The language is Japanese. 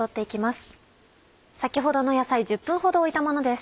先ほどの野菜１０分ほど置いたものです。